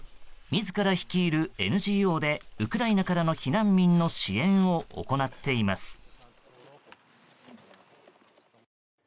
自ら率いるＮＧＯでウクライナからの避難民の支援を行っています。